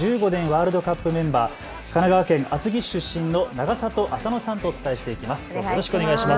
ワールドカップメンバー、神奈川県厚木市ご出身の永里亜紗乃さんとお伝えします。